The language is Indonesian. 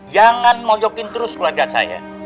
jangan mojokin terus keluarga saya